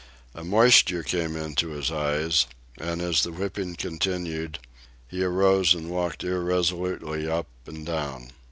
A moisture came into his eyes, and, as the whipping continued, he arose and walked irresolutely up and down.